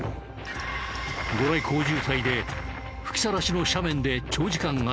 ご来光渋滞で吹きさらしの斜面で長時間足止め。